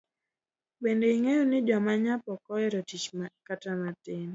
Bende ingeyo ni joma nyap ok oero tich kata matin.